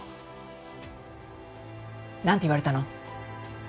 なんて言われたの？